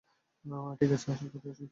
ঠিক আছে, আসল কথায় আসুন।